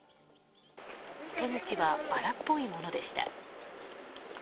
手口は荒っぽいものでした。